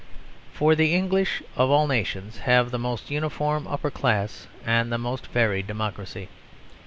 For the English, of all nations, have the most uniform upper class and the most varied democracy.